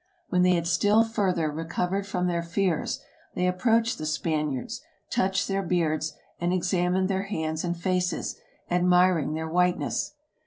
When they had still further recovered from their fears, they approached the Spaniards, touched their beards, and examined their hands and faces, admiring their whiteness.